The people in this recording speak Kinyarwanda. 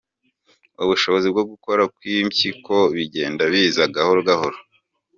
ubushobozi bwo gukora kw’impyiko bigenda biza gahoro gahoro.